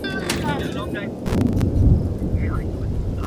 কলকাতার পার্ক সার্কাসে ছিল পত্রিকার কার্যালয়।